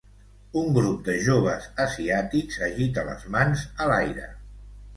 Un grup de joves asiàtics agita les mans a l'aire.